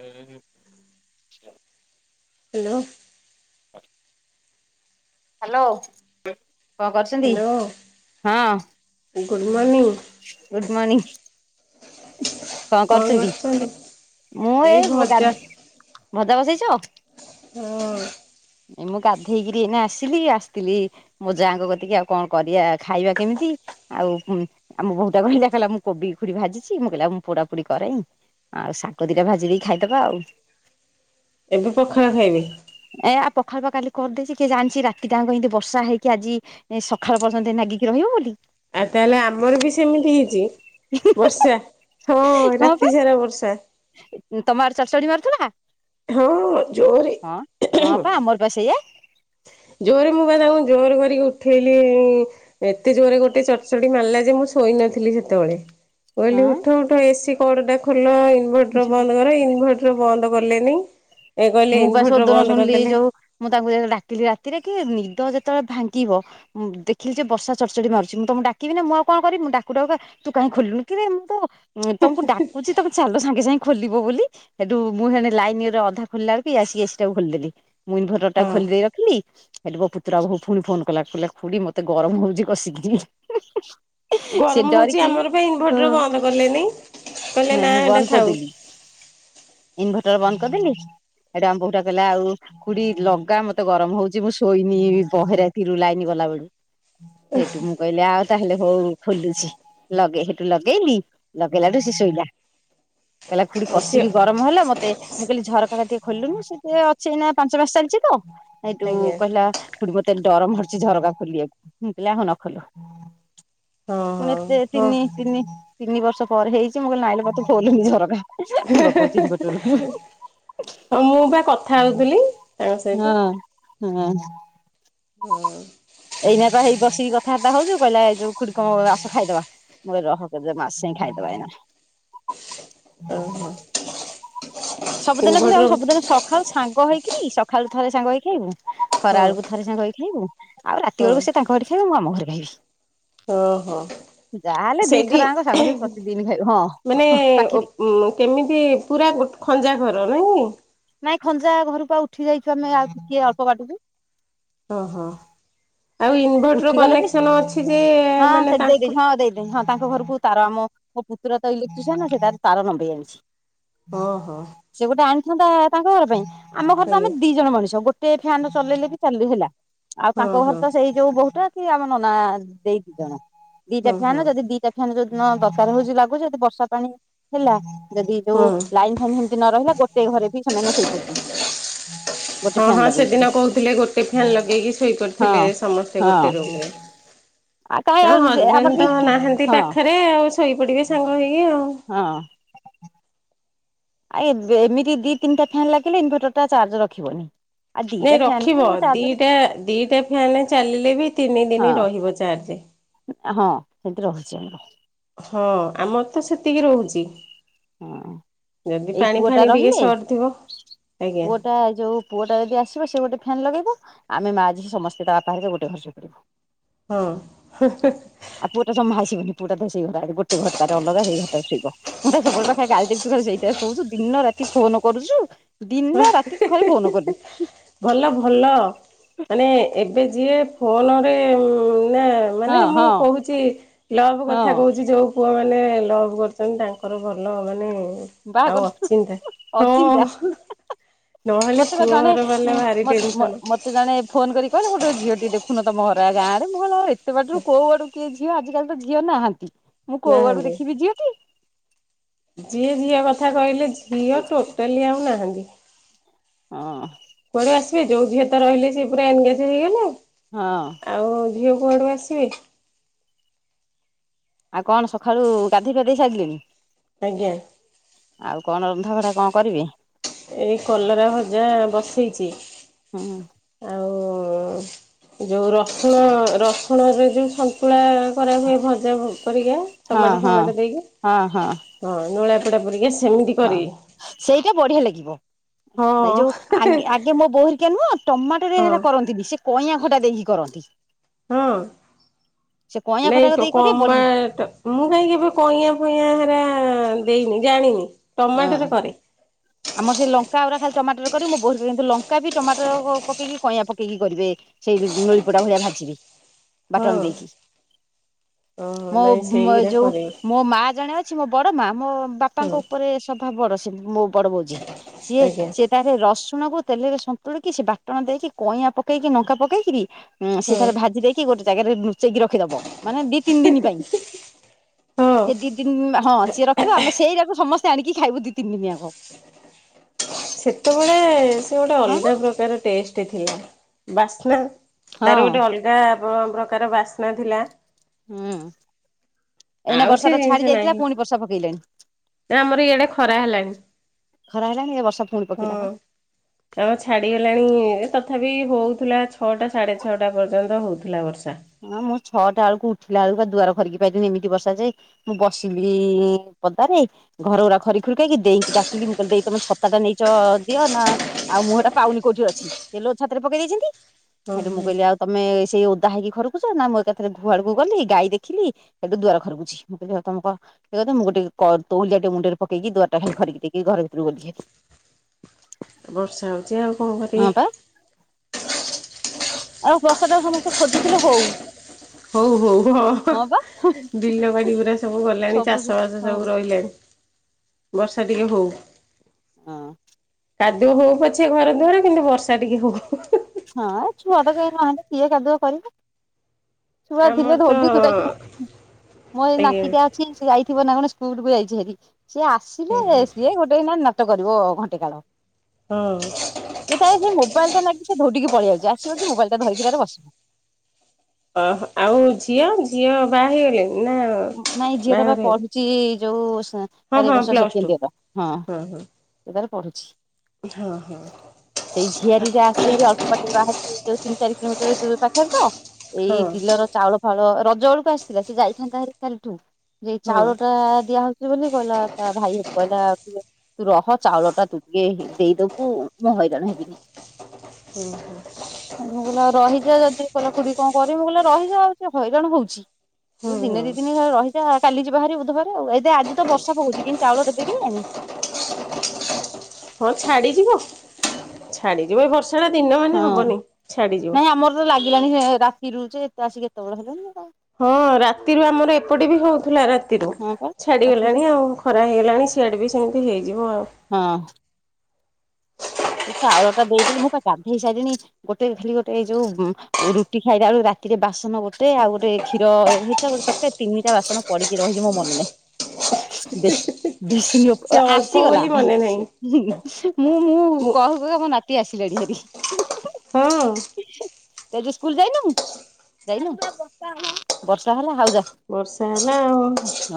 ଏ-ଏ-ଏ hello. [unintelligible] Hello କଣ କରୁଛନ୍ତି? Hello ହଁ ଗୁଡ଼୍ ମୋର୍ନିଂ। ଗୁଡ୍ ମର୍ଣ୍ଣିଂ କଣ କରୁଛନ୍ତି? ମୁଁ ଏ ଏଇ ଭଜା ଗାଧିକିରି ଭଜା ବସେଇଛ? ହଁ। ମୁଁ ଗାଧେଇକିରି ଏନା ଆସିଲି ଆସିଥିଲି ମୋ ଯାଙ୍କ କତିକି ଆଉ କଣ କରିବା ଖାଇବା କେମିତି? ଆଉ କୁଁ ଆମ ଭଉଣୀଟା କହିଲା ଚାଲ ମୁଁ କୋବି ଖବି ଭାଜିଛି ମୁଁ କହିଲି ଆ ମୁଁ ପୋଡା ପୋଡି କରେ। ଆଉ ଶାଗ ଦିଟା ଭାଜିକି ଖାଇଦେବା ଆଉ। ଏବେ ପଖାଳ ଖାଇବେ? ଏ ଆ ପଖାଳ ପା କାଲି କରଦେଇଛି କିଏ ଜାଣିଛି ରାତି ଯାଙ୍କ ଏମିତି ବର୍ଷା ହେଇକି ଆଜି ସକାଳ ପର୍ଯ୍ୟନ୍ତ ନାଗିକି ରହିବ ବୋଲି। ଏବେ ହେଲେ ଆମର ବି ସେମିତି ହେଇଛି। ବର୍ଷା ହଁ ହଁ ପା ରାତି ସାରା ବର୍ଷା। ତମ ହ୍ୱାଟସପ୍ ହଁ ଜୋରରେ ହଁ ହେଁ ହେଁ ହଁ ଆମର ପା ସେଇଆ। ଜୋରରେ ମଗାଯାଉ ମୁଁ ଜୋର କରିକି ଉଠେଇଲି ଏତେ ଜୋରରେ ଗୋଟେ ଚଟଚଡି ମାରିଲା ଯେ ମୁଁ ଶୋଇ ନଥିଲି ସେତେବେଳେ। କହିଲି ହଁ ଉଠ ଉଠ ଏସିି କଡଟା ଖୋଲ ଇନଭେଟର ଯୋଉ ବନ୍ଦ କର ଇନଭଟର ବନ୍ଦ ଗଲେନି। ମୁଁ ବା ଶୋଦନ ଶୁଣିଲି ଯୋଉ ମୁଁ ତାଙ୍କୁ ଯାଇଥିଲି ଡାକି ରାତିରେ କି ନିଦ ଯେତେବେଳେ ଭାଙ୍ଗିବ ମୁ ଦେଖିଲି ଯେ ବର୍ଷା ଚଡଚଡି ମାରୁଛି ମୁଁ ତମକୁ ଡାକିବି ନା ମୁଁ ଆଉ କଣ କରିମି ମୁଁ ଡାକୁ ଡାକୁ ତୁ କାହିଁ ଖୋଲିଲୁନି କିରେ ମୁଁ ତ ଉଁ ତମକୁ ଡାକୁଚି ତମେ ଚାଲ ସାଙ୍ଗେ ସାଙ୍ଗେ ଖୋଲିବ ବୋଲି ସେଠୁ ମୁଁ ହେନେ ଲାଇନରେ ଅଧା ଖୋଲିଲାବେଳକୁ ଇଏ ଆସିକି ଏସିଟାକୁ ଖୋଲିଦେଲି ମୁଇଁ ଇନଭଟର ଟା ହଁ ଖୋଲିଦେଇ ରଖିଲି ହେଲେ ବୋ ପୁତୁରବୋହୁ ପୁଣି ଫୋନ କଲା କହିଲ ଖୁଡି ମୋତେ ଗରମ ହଉଛି କଷିକିରି ହି ହି ହି। ଗରମ ହଉଛି ଆମର ବି ଇନଭଟର ବନ୍ଦ କଲେନି। କହିଲେ ନା ଏଇଟା ଥାଉ। ଇନଭେଟର ବନ୍ଦ କରିଦେଲିି। ସେଇଠୁ ଆମ ବୋହୁଟା କହିଲା ଆଉ ଖୁଡି ଲଗା ମୋତେ ଗରମ ହଉଛି ମୁଁ ଶୋଇନି ବହେ ରାତିରୁ ଲାଇନ ଗଲା ବେଳୁ ହେଇଠୁ ମୁଁ କହିଲି ଆଉ ତାହେଲେ ହଉ ଖୋଲୁଛି ଲଗେଇ ହେଠୁ ଲଗେଇଲିି ଲଗେଇଲାଠୁ ସେ ଶୋଇଲା। କହିଲା ଖୁଡି ଆଉ ସିଏ କସିକି ଗରମ ହେଲା ମୋତେ ମୁଁ କହିଲି ଝରକା ଟିକେ ଖୋଲିଲୁନି ସେ ଟିକେ ଅଛି ଏନା ପାଞ୍ଚ ମାସ ଚାଲିଛି ତ। ସେଇଠୁ ଆଜ୍ଞା କହିଲା ଖୁଡୀ ମୋତେ ଡର ମାଡୁଚି ଝରକା ଖୋଲିବାକୁ ମୁଁ କହିଲି ହୋଉ ନ ଖୋଲ। ହଁ ପୁଣି ହଁ ଏତେ ହଁ। ତିନି ତିନି ତିନି ବର୍ଷ ପରେ ହେଇଛି ମୁଁ କହିଲି ନାଇଁଲେ ମୋଟେ ଖୋଲନି ଝରକା। [unintelligible] ଲଗାଉଛି ଇନଭଟରରୁ। ହଁ ମୁଁ ବା କଥା ହଉଥିଲି ତାଙ୍କ ସହିତ ହଁ ହଁ। ହୁଁ। ଏଇନା ତ ହେଇ ବସିକି କଥାବାର୍ତ୍ତା ହଉଚୁ କହିଲା ଏଇ ଯୋଉ ଖୁଡି କଣ ଆସ ଖାଇଦେବା ମୁଁ କହିଲି ରହ ମା ଆସେ। ଖାଇଦେବା ଏଇନା ଓହୋ। ସବୁଦିନ କିନ୍ତୁ ଇନଭର୍ଟର ଆମେ ସବୁଦିନ ସକାଳୁ ସାଙ୍ଗ ହେଇକିରି ସକାଳୁ ଥରେ ସାଙ୍ଗ ହୋଇ ଖାଇବୁ। ହଁ ଖରା ବେଳକୁ ଥରେ ସାଙ୍ଗ ହେଇ ଖାଇବୁ ଆଉ ରାତି ବେଳକୁ ସେ ତାଙ୍କ ଘରେ ଖାଇବ ମୁଁ ଆମ ଘରେ ଖାଇବି। ଓ ହୋ। ଯାହାହେଲେ ଦିଥର ସେଇଠି ଆଙ୍କ ସାଙ୍ଗ ହେଇ ପ୍ରତିଦିନ ଖାଇବୁ ହଁ ମାନେ ପାଖରେ ଉଁ କେମିତି ପୁରା ଗୋ ଖଞ୍ଜା ଘର ନାଇଁ। ନାଇଁ ଖଞ୍ଜା ଘରକୁ ଆଉ ଉଠି ଯାଇ ପାରୁନୁ ଆମେ ଆଉ ଟିକେ ଅଳ୍ପ ବାଟକୁ ମାନେ ଓ ହୋ। ଆଉ ଇନଭଟର ଉଠିଗଲେ ବି କନେକ୍ସନ ଅଛି ଯେ ହଁ ମାନେ ସେଠି ଦେଇଦେଇଛି ତାଙ୍କ ହଁ ଦେଇଦେଇଛି ହଁ ତାଙ୍କ ଘରକୁ ତାର ଆମ ମୋ ପୁତୁର ତ ଇଲେକ୍ଟ୍ରିସିଆନ ସେ ତାର ତାର ନମ୍ବେଇ ଆଣିଚି। ଓହୋ ସେ ଗୋଟେ ଆଣିଥାନ୍ତା ତାଙ୍କ ଘର ପାଇଁ ଆମ ଘରେ ତ ଆମେ ଆଜ୍ଞା ଦି ଜଣ ମଣିଷ ଗୋ ଟେ ଫ୍ୟାନ ଚଲେଇଲେ ବି ଚାଲୁ ହେଲା ଆଉ ତାଙ୍କ ହଁ ଘର ହଁ ତ ସେଇ କୋଉଟା କି ଆମ ନନା ଦେଇ ଦି ଜଣ ଦିଟା ହଁ ହଁ ଫ୍ୟାନ ଯଦି ଦିଟା ଫ୍ୟାନ ନ ଦରକାର ହଉଛି ଲାଗୁଛି ଯଦି ବର୍ଷା ପାଣି ହେଲା ଯଦି ଯୋଉ ହଁ। ଲାଇନ ଫାଇନ୍ ସେମିତି ନ ରହିଲା ଗୋଟେ ଗୋଟେ ଘରେ ବି ସେମାନେ ଶୋଇପଡିବେ ହଁ ହଁ ସେଦିନ କହୁଥିଲେ ଗୋଟେ ଫ୍ୟାନ ଲଗେଇକି ଶୋଇପଡି ଥିଲେ ହଁ ସମସ୍ତେ ସେଇ ହଁ ଗୋଟେ ରୁମ ଆଉ କାହିଁ ରେ ହଁ ଆଉ ସେ ଆମର ହଜବେଣ୍ଡ ବି ତ ନାହାନ୍ତି ହଁ ପାଖରେ ଆଉ ଶୋଇପଡିବେ ସାଙ୍ଗ ହେଇକି ଆଉ। ହ ହଁ। ଆ ଏମିତି ଦି ତିନିଟା ଫ୍ୟାନ୍ ଲାଗିଲେ ଇନଭର୍ଟରଟା ଚାର୍ଜ ରଖିବନି। ଆଉ ଦିଟା ନାଇଁ ଫ୍ୟାନ କୁ ରଖିବ ଚାର୍ଜର ଦିଟା ଦିଟା ଫ୍ୟାନ ଚାଲିଲେ ବି ତିନି ଦିନ ହଁ ରହିବ ଚାର୍ଜ। ହଁ ସେଠି ରହୁଛି ଆମର ହଁ ଆମର ତ ସେତିକି ରହୁଛି। ହଁ। ଯଦି ଏଇ ପାଣି ପୁଅଟା ଫାଣି ଟିକେ ରହିଲେ ସରିଥିବ। ପୁଅଟା ଯୋଉ ପୁଅଟା ଯଦି ଆସିବ ସେ ଗୋଟେ ଫ୍ୟାନ ଲଗେଇବ ଆମେ ମା ଝିଅ ସମସ୍ତେ ତା ବାପା ଘରିକା ଗୋଟେ ଘରେ ଶୋଉଚୁ ହଁ। ପୁଅ ଟା ତ ସେଇ ଘରେ ଗୋଟେ ଘର ତାର ଅଲଗା ସେଇ ଘରେ ଶୋଇବ ମୁଁ ତା ସବୁ ମୁଁ ତାକୁ ଖାଲି ଗାଳି କରୁଛି ସେଇଟାରେ ଖାଲି ଶୋଉଛୁ ଦିନ ରାତି ଫୋନ କରୁଛୁ ଦିନ ରାତି ତୁ ଖାଲି ଫୋନ କଲୁ ଭଲ ଭଲ ମାନେ ଏବେ ଯିଏ ଫୋନରେ ନା ମାନେ ହଁ ମୁଁ ହଁ କହୁଛି ଲଭ ହଁ କଥା କହୁଛି ଯୋଉ ପୁଅମାନେ ଲଭ୍ କରଛନ୍ତି ତାଙ୍କର ଭଲ ମାନେ ଆଉ ବାହାଘର ଅଚିନ୍ତା ଅଚିନ୍ତା ହଁ ନହେଲେ ମତେ ଜଣେ ପୁଅଘର ବାଲା ଭାରି ଟେନସନ ମତେ ଜଣେ ଫୋନ କରି କହିଲେ ଗୋଟେ ଝିଅଟେ ଦେଖୁନ ତମ ଭରା ଗାଁ ରେ ମୁଁ ଏତେ ବାଟରୁ କୋଉ ଆଡୁ କିଏ ଝିଅ ଆଜିିକାଲି ତ ଝିଅ ନାହାନ୍ତି। ମୁଁ କୋଉ ଆଡୁ ନାହାନ୍ତି। ଦେଖିବି ଝିଅ କି ଯିଏ ଝିଅ କଥା କହିଲେ ଝିଅ ଟୋଟାଲି ଆଉ ନାହାନ୍ତି। ହଁ। କୁଆଡୁ ଆସିବେ ଯୋଉ ଝିଅ ତ ରହିଲେ ସେ ପୁରା ଏନଗେଜ ହେଇଗଲେ ଆଉ। ହଁ। ଝିଅ କୁଆଡୁ ଆସିବେ ଆଉ କଣ ସକାଳୁ ଗାଧୋଇ ପାଧେଇ ସାରିଲେଣିି? ଆଜ୍ଞା। ଆଉ କଣ ରନ୍ଧାବଢା କଣ କରିବେ? ଏଇ କଲରା ଭଜା ବସେଇଛି ହୁଁ ଆଉ। ଯୋଉ ରସୁଣ ରସୁଣରେ ଯୋଉ ସନ୍ତୁଳା କରା ହୁଏ ଭଜା ପରିକା ହଁ ଟମାଟୋ ହଁ ଫମାଟୋ ଦେଇକି ହଁ ହଁ ହଁ ନୁଳା ପୋଡା ପରିକା ସେମିତି ହଁ କରିବି ସେଇଟା ବଢିଆ ଲାଗିବ। ନାଇଁ ହଁ ଯୋଉ ଆଗେ ମୋ ବୋଉ ଘରିକା ନୁହଁ ଟମାଟୋରେ ହଁ ସେଟା କରନ୍ତି ସେ କଇଁଆ ଟା ଦେଇକି କରନ୍ତି। ହଁ। ସେ କଇଁଆ ନାଇଁ ଖଟା ତ ଦେଇ କରିବେ କମା ବଢିଆ ମୁଁ କାହିଁକି ଏବେ କଇଁଆ ଫଇଆ ହେରା ଦେଇନି ଜାଣିନି ହଁ ଟମାଟୋରେ କରେ। ଆମର ସେ ଲଙ୍କା ଗୁରା ଖାଲି ଟମାଟର କରିବି ମୋ ବୋଉ ଲଙ୍କା ବି ଟମାଟର ପକେଇକି କଇଁଆ ପକେଇକି କରିବେ? ସେଇ ନଳିପଟା ଭଳିଆ ଭାଜିବି ହଁ ବାଟଣ ଦେଇକି ଓହୋ ମୋ ନାଇଁ ସେଇରା ଯୋଉ କରିବି ମୋ ମା ଜଣେ ଅଛି ମୋ ବଡ ମା ମୋ ବାପାଙ୍କ ହଁ ଉପରେ ସଭା ବଡ ମୋ ବଡ ବୋଉ ଯିଏ ଆଜ୍ଞା ସେ ତାରେ ରସୁଣକୁ ତେଲରେ ସନ୍ତୁଳି କି ସେ ବାଟଣ ଦେଇକି କଇଁଆ, ପକେଇକି ଲଙ୍କା ପକେଇକିରି ହଁ ସେ ତାର ଭାଜି ଦେଇକି ଗୋଟେ ଜାଗାରେ ଲୁଚେଇକି ରଖିଦବ ମାନେ ଦି ତିନି ଦିନ ପାଇଁ। ହଁ ସେ ଦି ଦିନ ହଁ ସିଏ ରଖିବ ଆମେ ସେଇରାକୁ ସମସ୍ତେ ଆଣିକି ଖାଇବୁ ଦି ତିନି ଦିନ ଜାଙ୍କ। ହ। ସେତୋବେଳେ ସେ ଗୋଟେ ହଁ ବା ଅଲଗା ପ୍ରକାର ଟେଷ୍ଟ ଥିଲା। ବାସ୍ନା ତାର ହଁ ଗୋଟେ ଅଲଗା ପ୍ର ପ୍ରକାର ବାସ୍ନା ଥିଲା। ହୁଁ ଏଇନା ଆଉ ବର୍ଷାଟା ଛାଡି ଯାଇଥିଲା ପୁଣି ବର୍ଷା ପକେଇଲାଣି। ତା ଆମର ଇଆଡେ ଖରା ହେଲାଣି। ଖରା ହେଲାଣି ଏ ବର୍ଷା ପୁଣି ହଁ ପକେଇଲା ବା ଆମ ଛାଡିଗଲାଣି ଏ ତଥାପି ହଉଥିଲା ଛଅଟା ସାଢ଼େ ଛଅଟା ପର୍ଯ୍ୟନ୍ତ ହଉଥିଲା ବର୍ଷା। ନା ମୁଁ ଛଅଟା ବଳକୁ ଉଠିଲା ବଳକୁ ପା ଦୁଆର ଖରିକି ପାଇଲିନି ଏମିତି ବର୍ଷା ଯେ ମୁଁ ବସିଲି ପଦାରେ ଘର ଉରା ଖରି ଖୁରି କି ଦେଇକି ଡାକିଲି ମୁଁ କହିଲି ଦେଇ ତମେ ଛତା ଟା ନେଇଚ ଦିଅ ନା ଆଉ ମୁଁ ଏଇଟା ପାଉନି କଉଠି ଅଛି ସେ ଲୋ ଛାତରେ ପକେଇ ଦେଇଛନ୍ତି ହେଇଠୁ ମୁଁ ଓହୋ କହିଲି ଆଉ ତମେ ସେଇ ଓଦା ହେଇକି ନା ମୁଁ ଏକା ଥରେ ଘୁଆଡକୁ ଗଲି ଗାଈ ଦେଖିଲି ସେଠୁ ଦୁଆର ଖରୁଛି ମୁଁ ତମଏ କ ମୁଁ ଗୋଟେ କ ତଉଲିଆଟେ ମୁଣ୍ଡରେ ପକେଇକି ଦୁଆଟା ଖିରିକି ଦେଇକି ଘର ଭିତରୁକୁ ଗଲିହାରି। [inaudible] ବର୍ଷା ହଉଛି ଆଉ କଣ କରିବେ। ହଁ ପା ଆଉ ବର୍ଷା ଟା ସମସ୍ତେ ଖୋଜୁଥିଲେ ହଉ। ହଉ ହଉ ଅହ। ହଁ ପା ବିଲ ବାଡି ଗୁରା ସବୁ ଗଲାଣି ସବୁ ଚାଷ ବାସ ହଁ ସବୁ ରହିଲାଣିଲ ବର୍ଷା ଏହଉ। ହଁ। କାଦୁଅ ହଉ ପଛେ ଘର ଦୁଆରେ କିନ୍ତୁ ବର୍ଷା ଟିକେ ହଉ। ହଁ ଛୁଆଟା ତ କେହି ନହାନ୍ତି କିଏ କାଦୁଅ କରିବ। ଛୁଆ ଥିଲେ ଆମର ଧୌଡି ଧୋଡା କି ତ ମୋ ଏ ଆଜ୍ଞା ନାତିଟା ଅଛି ସେ ଯାଇଥିବ ନାଚ ସ୍କୁଲକୁ ଯାଇଚିହାରି ସିଏ ହୁଁ ଆସିଲେ ହୁଁ ସିଏ ଗୋଟେ ଏଇନା ନାଟ କରିବ ଘଣ୍ଟେ କାଳ। ହଁ ଯେ ତାର ସେ ମୋବାଇଲ ଟା ନାଚ ଉଠିକି ପଳେଇଆଉଚି ଆସିବ କି ମୋବାଇଲ ଟା ଧରିକି ତାର ବସିବ। ଓୋ ଆଉ ଝିଅ ଝିଅ ବାହା ହେଇଗଲେଣି ନା ନାଇଁ ଝିଅଟା ବାହାଘର ବା ହେଇନି? ପଢୁଛି ଯୋଉ ସା ତାର ଏବର୍ଷ ସେକେଣ୍ଡ ୟେର। ହଁ ସେ ତାର ପଢୁଛି। ହଁ ହଁ ସେଇ ଝିଆରିରେ ଆସିଚିହାରି ଅଳ୍ପ ବାଟରେ ବାହାରି ଯୋଉ ତିନି ଚାରି କିଲୋମିଟର ଦୂର ପାଖରେ ତ ଏଇ ହଁ ବିଲର ଚାଉଳ ଫାଉଉଳ ରଜ ବେଳକୁ ଆସିଥିଲା ସେ ଯାଇଥାନ୍ତା ହାରି କାଲିଠୁ ଯେ ହଁ ଚାଉଳ ଟା ଦିଆ ହଉଛି ବୋଲିି କହିଲା ତା ଭାଇ କଏଲା ତୁ ରହ ଚାଉଳ ଟା ତୁ ଟିକେ ଦେଇଦବୁ ମୁଁ ହଇରାଣ ହେବିନି। କୁମ୍ଭ ଭଲ ରହିଚ ସେ କହିଲା ଖୁଡୀ କଣ କହୁଚିମୁଁ କହିଲି ରହିଯା ସେ ହଇରଣ ହଉଛି। ତୁ ହଁ ଦିନ ହଁ ଦି ଦିନି ରହିଯାକାଲି ଯିବ ବାହାରି ବୁଧବାରେ ଆଉ ଏ ଆଜି ତ ବର୍ଷା ପକଉଛି କି ଚାଉଳ ଦେବେ କେଈଆଣି। ହଁ ଛାଡିଯିବ ଛାଡିଯିବ ଏ ବର୍ଷ ହଁ ନାଇଁ ଆମର ତ ଲାଗିଲାନି ସେ ରାତି ରୁଚେ ଏତେ ଆସିକି ଏତୋବେଳେ ହେଲେଣି। ହଁ ରାତିରୁ ଆମର ଏପଟେ ବି ହଉଥିଲା। ଦି ଧଉ ହଁ ପା ଛାଡିଗଲାଣି ଆଉ ଖରା ହେଇଗଲାଣି ସିଆଡେ ବି ସେମିତି ହେଇଯିବ ଆଉ। ହଁ। ସେ ଚାଉଳ ଟା ଦେଇଦେଲୁ ମୁଁ ତ ଗାଧେଇ ସାଇଲିଣି ଗୋଟେ ଖାଲି ଗୋଟେ ଏଇଜଉ ରୁଟି ଖାଇଲେ ବଳୁ ରାତିରେ ବାସନ ଗୋଟେ ଆଉ ଗୋଟେ କ୍ଷୀର ହେଇଥିଲା ଗୋଟେ ତରକାରି ତିନିଟା ବାସନ ପଡିକି ରହିଲି ମୋର ମନେ ନାହିଁ। [unintelligible] ସେ [unintelligible] ଅଳ୍ପ ଆସିଗଲା ବୋଲି ମନେ ନାହିଁ ମୁଁ ମୁଁ ଦେଖ ମୋ ନାତି ଆସିଲାଣିହାରି। ହଁ। ତୁ ଆଜି ସ୍କୁଲ ଯାଇନୁ ବର୍ଷା ହେଲା ହଉ ଯା। ବର୍ଷା ହେଲା ଆଉ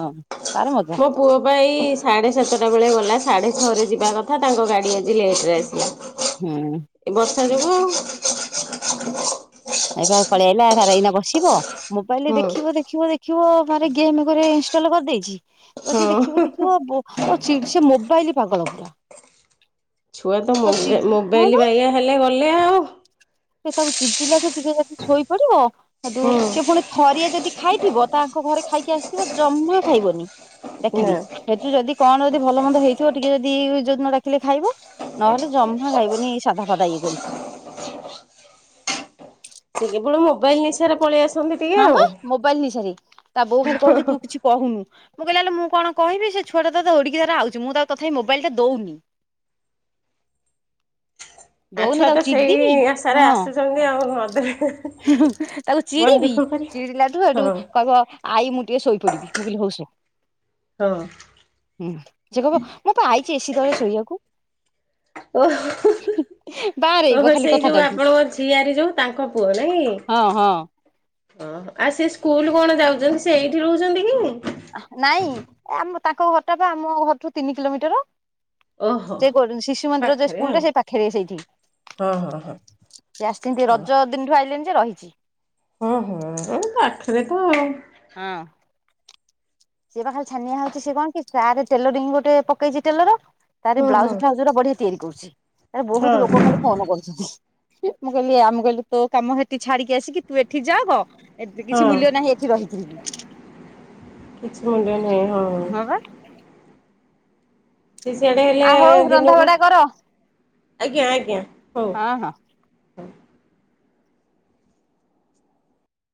ହଁ ତାର ମଜା ପୁଅ ପାଇଁ ଏଇ ସାଢେ ସାତଟା ବେଳେ ଗଲା। ସାଢ଼େ ଛଅରେ ଯିବା କଥା ତାଙ୍କ ଗାଡ଼ି ଆଜି ଲେଟରେ ଆସିଲା। ହୁଁ। ଫେରିବ ଆଉ ଏବେ ଆଉ ପଳେଇ ଆଇଲା, ତାର ଏଇନା ବସିବ। ମୋବାଇଲରେ ହୁଁ ଦେଖିବ, ଦେଖିବ, ଦେଖ ଦେଖିବ। ମାନେ ଗେମ୍ ଗୁରେ ଇନଷ୍ଟଲ କରିଦେଇଚ। ବସିକି ଦେଖିବ, ହଁ। ଦେଖିବ [unintelligible] ମୋବାଇଲ ପାଗଳ ପୁରା। ଛୁଆ ତ ମ ତାକୁ ଚିଡି ହଁ ମୋବାଇଲ ବା ବାଇଆ ହେଲେ ଗଲେ ଆଉ। ତାକୁ ଚିଡିଲା ଠୁ ଟିକେ ଯଦି ଶୋଇପଡିବ। କିନ୍ତୁ ହୁଁ ସେ ପୁଣି ଥରିଏ ଯଦି ଖାଇଥିବ ତାଙ୍କ ଘରେ ଖାଇକି ଆସିଥିବ ଜମା ଖାଇବନି। ନା। ଡାକିଲି ହେଠୁ ଯଦି କଣ ଯଦି ଭଲ ମନ୍ଦ ହେଇଥିବ ଟିକେ ଯଦି ଯୋଦିନ ଡାକିଲେ ଖାଇବ। ନହେଲେ ଜମା ଖାଇବନି ଏଇ ସାଧା ଫାଦା ଇଏ କରିକି। ସେ କେବଳ ମୋବାଇଲ ନିଶାରେ ପଳେଇଆସି ହଁ ପା ମୋବାଇଲ ନିଶା ରେ। ତା ବୋଉ ଖାଲି କହୁଚି ତୁ କିଛି କହୁନୁ। ମୁଁ କହିଲି ଆଲୋ ମୁଁ କଣ କହିବି ସେ ଛୁଆଟା ତ ଧଉଡିକି ତାର ଆଉଚି। ମୁଁ ତାକୁ ତଥାପି ମୋବାଇଲଟା ଦଉନି। [inaudible] ଆ ଦଉନି ଛୁଆ ତାକୁ ତ ସେଇ ଚିଡିବି। ଆଶାରେ ହଁ ଆସୁଛନ୍ତି ଆଉ ନଦେଲେ ତାକୁ ମନ ଚିଡିବି ଦୁଃଖ କରିବେ। ଚିଡିଲାଠୁ ହଁ ହେଠୁ କହିବ ଆଈ ମୁଁ ଟିକେ ଶୋଇପଡିବି। ମୁଁ କହିଲି ହଉ ସୋ। ହଁ ସେ କହିବ ମୁଁ ପରା ଆଇଚି ଏସିି ତଳେ ଶୋଇବାକୁ। ଓ ହୋ। ବାରେଇବ ଓହୋ ଖାଲି ସେଇ ଯୋଉ କଥାଟାକୁ ଆପଣଙ୍କ ଝିଆରୀ ଯୋଉ ତାଙ୍କ ପୁଅ ନାଇଁ ହଁ ହଁ। କି। ଆଉ ସେ ସ୍କୁଲ କଣ ଯାଉଛନ୍ତି ସେ ଏଇଠି ରହୁଛନ୍ତି କି? ନାଇଁ ଏ ଆମ ତାଙ୍କ ଘରଟା ବା ଆମ ଘରଠୁ ତିନି କିଲୋମିଟର। ଓହୋ [unintelligible] ଶିଶୁ ମନ୍ଦିର ଯୋଉ ପାଖରେ ସ୍କୁଲ ଆଉ। ଟା ସେଇ ପାଖରେ ସେଇଠି। ହଁ ହଁ ହଁ ସେ ଆସିଛନ୍ତି। ହଁ। ରଜ ଦିନଠୁ ଆଇଲେଣି ଯେ ରହିଚି। ହଁ ହଉ। ଏଇ ପାଖରେ ତ ଆଉ। ହଁ। ସିଏ ପା ଖାଲି ଛାନିଆ ହଉଚି। ସିଏ କଣ କି ତାର ଟେଲରିଂ ଗୋଟେ ପକେଇଛି ଟେଲର। ତାର ହଁ ବ୍ଲାଉଜ ଫ୍ଲାଉଜ୍ ବଢିଆ ତିଆରି କରୁଚି। ତାର ବହୁତ ଲୋକ ହଁ ଖାଲି ଫୋନ କରୁଛନ୍ତି। ମୁଁ କହିଲି ଆ ମୁଁ କହିଲି ତୋ କାମ ହେଠି ଛାଡ଼ି ଆସିକି ତୁ ଏଠି ଜଗ। ଏ କିଛି ହଁ। ମୂଲ୍ୟ ନାହିଁ ଏଠି ରହିକି। କିଛି ମୂଲ୍ୟ ନାହିଁ। ହଁ। ସେ ସିଆଡେ ହେଲେ ଆ ହଉ ରନ୍ଧା ଦିନକୁ ବଢା କର ଆଜ୍ଞା ଆଜ୍ଞା। ହଉ। ହଁ ହଁ। [inaudible]